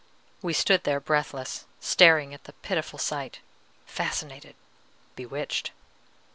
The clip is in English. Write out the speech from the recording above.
We stood there breathless, staring at the pitiful sight, fascinated, bewitched.